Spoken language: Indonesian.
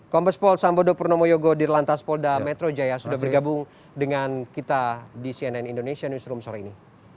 kompes pol sambodo purnomo yogo dirlantas polda metro jaya sudah bergabung dengan kita di cnn indonesia newsroom sore ini